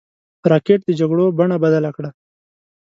راکټ د جګړو بڼه بدله کړه